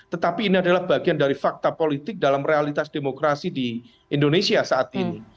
tetapi ini adalah bagian dari fakta politik dalam realitas demokrasi di indonesia saat ini